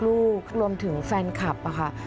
รวมถึงแฟนคลับค่ะ